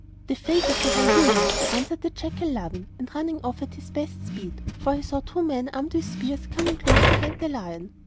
'The fate of the hyena,' answered the jackal, laughing, and running off at his best speed; for he saw two men armed with spears coming close behind the lion!